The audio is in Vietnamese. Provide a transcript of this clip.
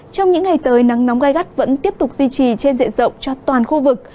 trong những ngày tới nắng nóng gai gắt vẫn tiếp tục duy trì trên diện rộng cho toàn khu vực